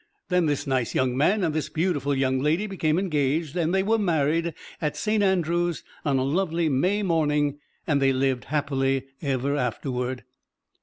Then this nice young man and this beautiful young lady became engaged, and they were married at Saint Andrew's on a lovely May morning. And they lived happily ever afterward.